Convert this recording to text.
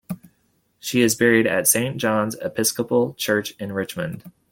She is buried at Saint John's Episcopal Church in Richmond.